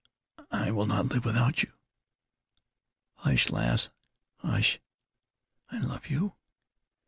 "I will not live without you." "Hush! lass, hush!" "I love you."